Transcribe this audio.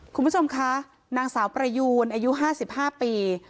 คุณผู้ชมคะนางสาวประยูนอายุห้าสิบห้าปี